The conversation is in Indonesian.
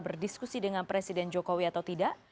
berdiskusi dengan presiden jokowi atau tidak